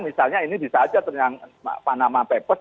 misalnya ini bisa saja teriang panama papers